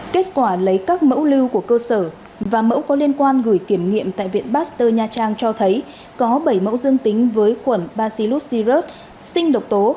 kết quả lấy các mẫu lưu của cơ sở và mẫu có liên quan gửi kiểm nghiệm tại viện pasteur nha trang cho thấy có bảy mẫu dương tính với khuẩn bacillus syrut sinh độc tố